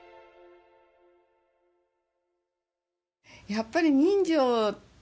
やっぱり人情。